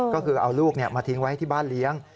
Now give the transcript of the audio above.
ก็คือเอาลูกมาทิ้งไว้ที่บ้านเลี้ยง